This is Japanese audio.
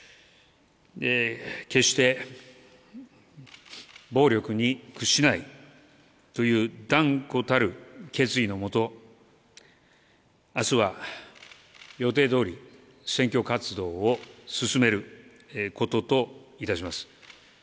決して、暴力に屈しないという断固たる決意のもと、あすは予定どおり、選挙活動を進めることといたします。